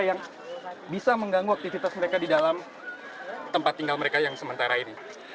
yang bisa mengganggu aktivitas mereka di dalam tempat tinggal mereka yang sementara ini